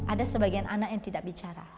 ada sebagian anak yang tidak bicara